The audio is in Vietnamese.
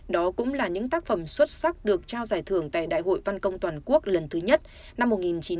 đó cũng là những tác phẩm xuất sắc được trao giải thưởng tại đại hội văn công toàn quốc lần thứ nhất năm một nghìn chín trăm bảy mươi năm